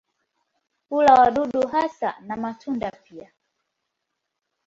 Hula wadudu hasa na matunda pia.